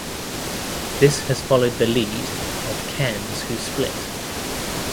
This has followed the lead of Cairns who split.